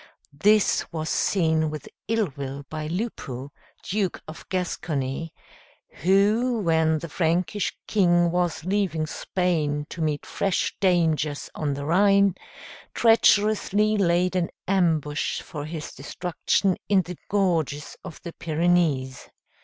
This was seen with ill will by Lupo, Duke of Gascony, who when the Frankish king was leaving Spain to meet fresh dangers on the Rhine, treacherously laid an ambush for his destruction in the gorges of the Pyrenees.